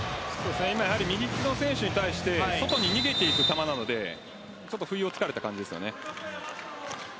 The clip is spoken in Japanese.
右利きの選手に対して外に逃げていく球なので不意を突かれた感じですね。